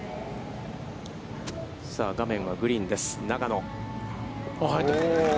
画面はグリーンです。